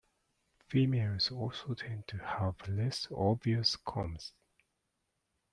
Females also tend to have less obvious combs.